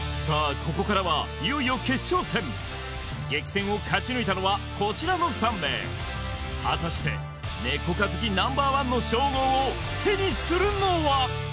ここからはいよいよ決勝戦激戦を勝ち抜いたのはこちらの３名果たしてネコ科好きＮｏ．１の称号を手にするのは？